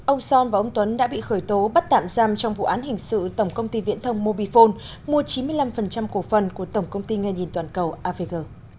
ông son và ông tuấn đã bị khởi tố bắt tạm giam trong vụ án hình sự tổng công ty viễn thông mobifone mua chín mươi năm cổ phần của tổng công ty nghe nhìn toàn cầu avg